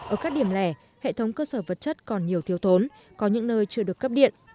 ở các điểm lẻ hệ thống cơ sở vật chất còn nhiều thiếu thốn có những nơi chưa được cấp điện